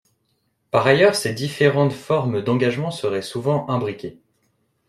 Par ailleurs, ces différentes formes d’engagement seraient souvent imbriquées.